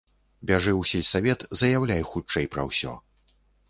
Бяжы ў сельсавет, заяўляй хутчэй пра ўсё.